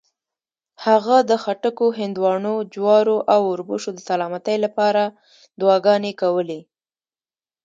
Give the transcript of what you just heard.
هغه د خټکو، هندواڼو، جوارو او اوربشو د سلامتۍ لپاره دعاګانې کولې.